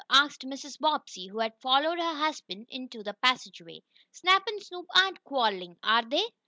asked Mrs. Bobbsey, who had followed her husband into the passageway. "Snap and Snoop aren't quarreling, are they?"